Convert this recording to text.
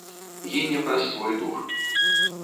Гіне праз свой дур.